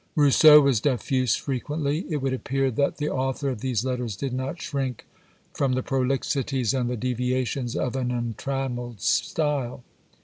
Rousseau was diffuse frequently. It would appear that the author of these letters did not shrink from the pro PREFATORY OBSERVATIONS Ixxxi lixities and the deviations of an untrammelled style.